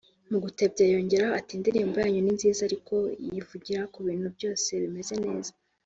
Mu gutebya yongeraho ati “Indirimbo yanyu ni nziza ariko yivugira ko ibintu byose bimeze neza